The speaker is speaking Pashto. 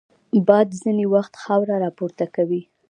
باد ځینې وخت خاوره راپورته کوي